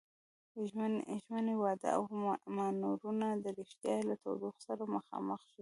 ژمنې، وعدې او مانورونه د ريښتيا له تودوخې سره مخامخ شي.